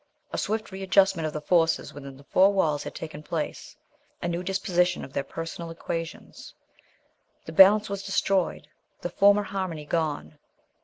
A swift readjustment of the forces within the four walls had taken place a new disposition of their personal equations. The balance was destroyed, the former harmony gone.